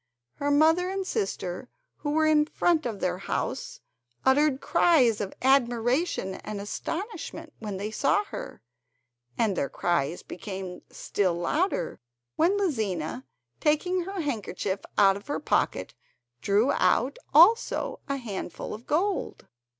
Her mother and sister, who were in front of their house, uttered cries of admiration and astonishment when they saw her, and their cries became still louder when Lizina, taking her handkerchief from her pocket, drew out also a handful of gold.